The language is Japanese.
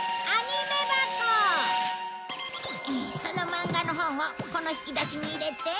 そのマンガの本をこの引き出しに入れて。